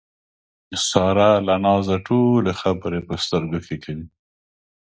ساره له نازه ټولې خبرې په سترګو کې کوي.